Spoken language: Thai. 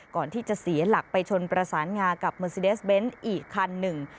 ก่อนที่จะเสียหลักไปชนประสานงากับเมอร์ซีเดสเบนส์อีกคันหนึ่ง